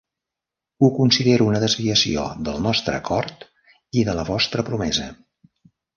Ho considero una desviació del nostre acord i de la vostra promesa.